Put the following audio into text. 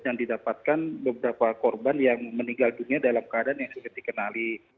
yang didapatkan beberapa korban yang meninggal dunia dalam keadaan yang sudah dikenali